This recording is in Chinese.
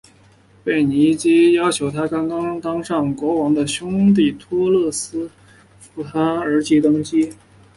贝勒尼基要求她刚刚当上国王的兄弟托勒密三世到安条克城及扶助她儿子登基。